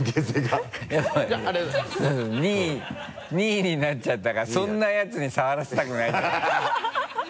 ２位になっちゃったからそんなヤツに触らせたくないんだハハハ